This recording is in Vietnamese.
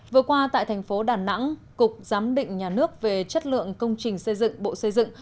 vừa qua tại thành phố đà nẵng cục giám định nhà nước về chất lượng công trình xây dựng bộ xây dựng